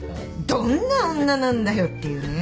どんな女なんだよっていうね。